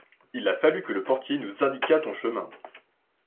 Il a fallu que le portier nous indiquât ton chemin.